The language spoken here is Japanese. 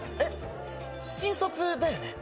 新卒だよね？